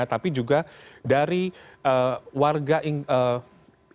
tapi juga dari warga inggris